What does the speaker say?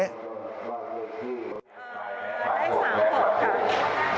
ได้๓๖ค่ะ